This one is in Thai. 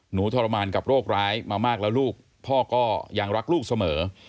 ทรมานกับโรคร้ายมามากแล้วลูกพ่อก็ยังรักลูกเสมอ